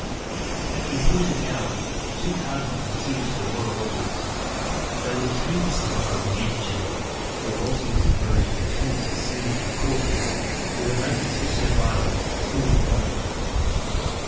At the appointed hour, the two cardinals, proceeded to the royal lodgings. They were detained for some time in the ante chamber, where Wolsey was exposed to the taunts and sneers of the courtiers, who had lately so servilely fawned upon him.